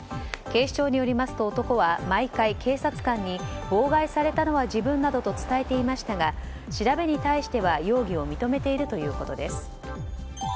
警視庁によりますと、男は毎回、警察官に妨害されたのは自分などと伝えていましたが調べに対しては容疑を認めているということです。